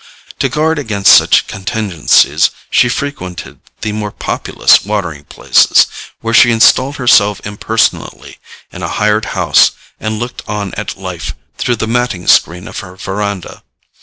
To guard against such contingencies she frequented the more populous watering places, where she installed herself impersonally in a hired house and looked on at life through the matting screen of her verandah.